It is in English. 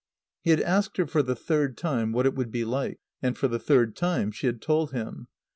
He had asked her for the third time what it would be like; and for the third time she had told him.